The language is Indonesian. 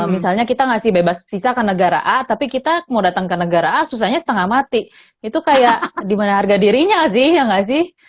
misalnya kita ngasih bebas visa ke negara a tapi kita mau datang ke negara a susahnya setengah mati itu kayak gimana harga dirinya sih ya nggak sih